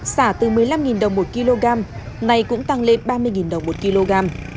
xả từ một mươi năm đồng một kg này cũng tăng lên ba mươi đồng một kg